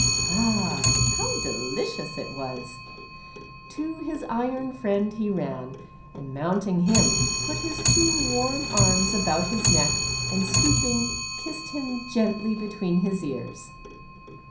Ah, how delicious it was ! To his iron friend he ran, and mounting him, put his two warm arms The Iron Doo^. i6 about his neck, and stooping, kissed him gently between his ears.